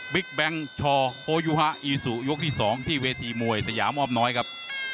แบงค์ชอโฮยูฮะอีสุยกที่๒ที่เวทีมวยสยามอ้อมน้อยครับ